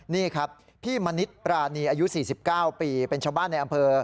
นี่ครับพี่มณิษฐ์ปรานีอายุ๔๙ปีเป็นชาวบ้านในอำเภอ